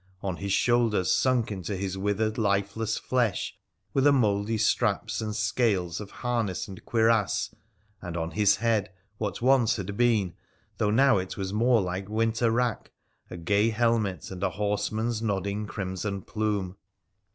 On his shoulders, sunk into his withered, lifeless flesh, were the mouldly straps and scales of harness and cuirass, and on his head what once had been, though now it was more like winter wrack, a gay helmet and a horseman's nodding crimson plume.